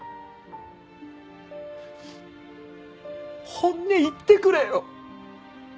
本音言ってくれよ。